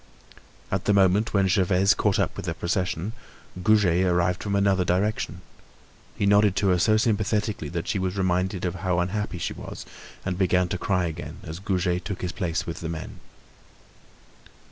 At the moment when Gervaise caught up with the procession, Goujet arrived from another direction. He nodded to her so sympathetically that she was reminded of how unhappy she was, and began to cry again as Goujet took his place with the men.